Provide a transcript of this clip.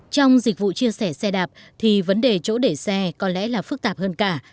trong dịch vụ chia sẻ xe đạp thì vấn đề chỗ để xe có lẽ là phức tạp hơn cả